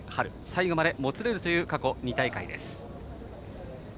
最後までもつれるという過去２大会です。